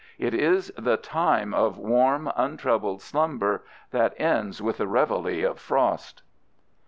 It is the time of warm, untroubled slumber that ends with the reveille of frost.